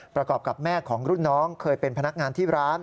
ประกอบกับแม่ของรุ่นน้องเคยเป็นพนักงานที่ร้าน